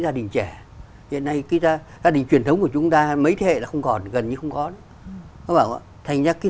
gia đình trẻ hiện nay gia đình truyền thống của chúng ta mấy thế hệ là gần như không có thành ra cái